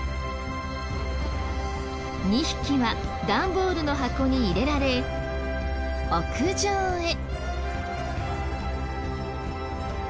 ２匹は段ボールの箱に入れられ屋上へ。